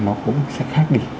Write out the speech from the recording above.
nó cũng sẽ khác đi